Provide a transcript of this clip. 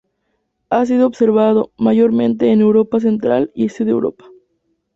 Ha sido observado, mayormente, en Europa Central y Este de Europa.